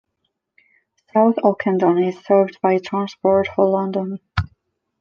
South Ockendon is served by Transport for London.